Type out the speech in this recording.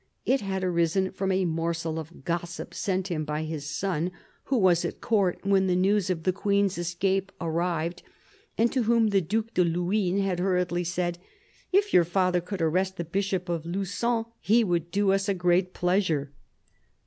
It had arisen from a morsel of gossip sent him by his son, who was at court when the news of the Queen's escape arrived, and to whom the Due de Luynes had hurriedly said —" If your father could arrest the Bishop of Lugon, he would do us a great pleasure."